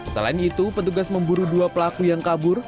selain itu petugas memburu dua pelaku yang kabur